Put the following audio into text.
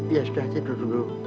ya sudah tidur dulu